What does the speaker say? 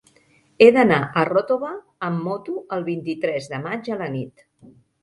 He d'anar a Ròtova amb moto el vint-i-tres de maig a la nit.